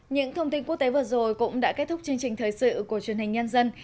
những thông tin quốc tế vừa rồi cũng đã kết thúc chương trình thời sự của truyền hình nhân dân